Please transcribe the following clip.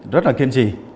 rất là kiên trì